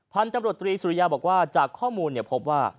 พันธุรกรตรีสุริยาบอกว่าจากข้อมูลเนี่ยพบว่า